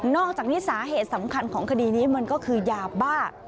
อกจากนี้สาเหตุสำคัญของคดีนี้มันก็คือยาบ้า